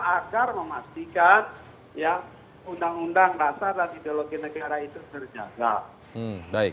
agar memastikan undang undang dasar dan ideologi negara itu terjaga